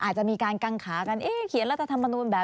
จะไม่ได้มาในสมัยการเลือกตั้งครั้งนี้แน่